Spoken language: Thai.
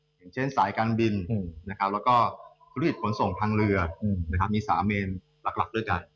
อย่างเช่นสายการบินแล้วก็ธุรกิจขนส่งทางเรือมี๓เมนหลักด้วยกัน